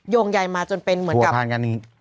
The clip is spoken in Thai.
โยงใหญ่มาจนเป็นเหมือนกับทัวร์พันธุ์กันนี้